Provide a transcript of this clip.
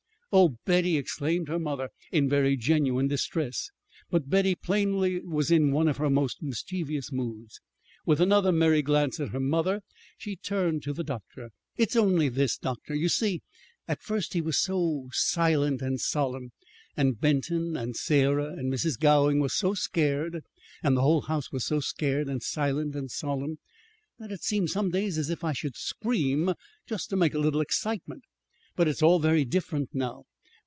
"Oh, Betty!" exclaimed her mother, in very genuine distress. But Betty plainly was in one of her most mischievous moods. With another merry glance at her mother she turned to the doctor. "It's only this, doctor. You see, at first he was so silent and solemn, and Benton and Sarah and Mrs. Gowing were so scared, and the whole house was so scared and silent and solemn, that it seemed some days as if I should scream, just to make a little excitement. But it's all very different now.